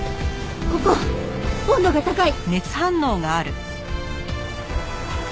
ここ温度が高い！